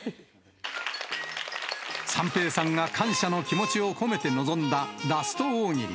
三平さんが感謝の気持ちを込めて臨んだラスト大喜利。